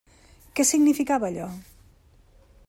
Què significava allò?